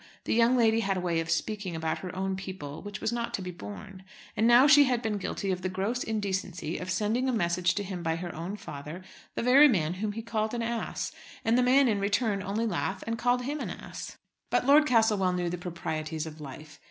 The young lady had a way of speaking about her own people which was not to be borne. And now she had been guilty of the gross indecency of sending a message to him by her own father, the very man whom he called an ass. And the man in return only laughed and called him an ass. But Lord Castlewell knew the proprieties of life.